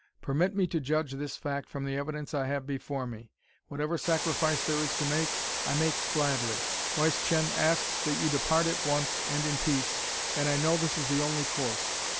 Permit me to judge this fact from the evidence I have before me. Whatever sacrifice there is to make, I make gladly. Wieschien asks that you depart at once, and in peace, and I know this is the only course.